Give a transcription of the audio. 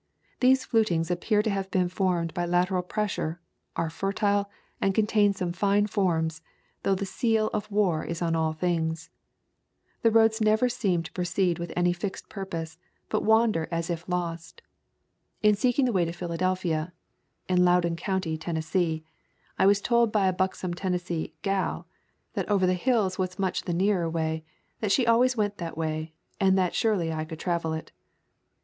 These flutings appear to have been formed by lateral pressure, are fertile, and contain some fine forms, though the seal of war is on all things. The roads never seem to pro ceed with any fixed purpose, but wander as if lost. In seeking the way to Philadelphia [in Loudon County, Tennessee], I was told by a buxom Tennessee "gal" that over the hills was much the nearer way, that she always went that way, and that surely I could travel it.